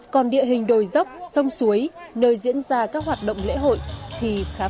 còn địa hình đồi dốc sông suối nơi diễn ra các hoạt động lễ hội thì khá phức tạp